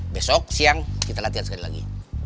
besok siang kita latihan sekali lagi